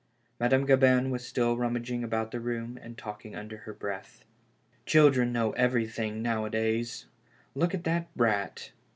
Madame Gabin was still rummaging about the room, and talking under her breath. "Children know everything now a d ays. Look at that brat.